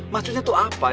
maksudnya tuh apa